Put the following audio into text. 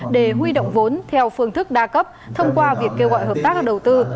để huy động vốn theo phương thức đa cấp thông qua việc kêu gọi hợp tác đầu tư